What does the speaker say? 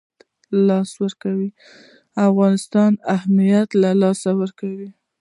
افغانستان اهمیت له لاسه ورکړ.